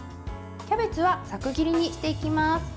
キャベツはざく切りにしていきます。